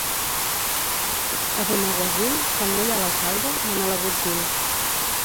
A Benaguasil, quan no hi ha l'alcalde mana l'agutzil.